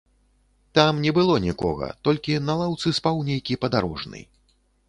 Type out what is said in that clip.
Там не было нікога, толькі на лаўцы спаў нейкі падарожны.